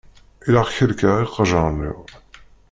Ilaq ḥerrkeɣ iqejjaṛen-iw.